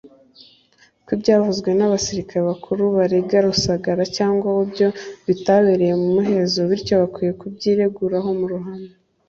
ko ibyavuzwe n’abasirika bakuru barega Rusagara cyangwa we byo bitabereye mu muhezo bityo bakwiye kubyireguraho mu ruhame